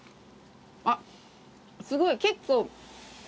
あっすごい結構。